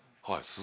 はい。